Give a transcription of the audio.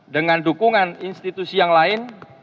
dengan dukungan institusi yang lain